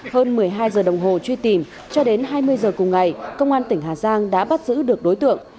hơn một mươi hai giờ đồng hồ truy tìm cho đến hai mươi giờ cùng ngày công an tỉnh hà giang đã bắt giữ được đối tượng